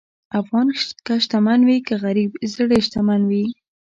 افغان که شتمن وي که غریب، زړه یې شتمن وي.